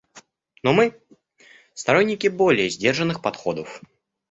Но мы − сторонники более сдержанных подходов.